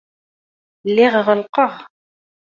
Lliɣ ɣellqeɣ.